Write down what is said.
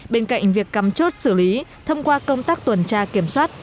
bên cạnh việc cắm chốt xử lý thông qua công tác tuần tra kiểm soát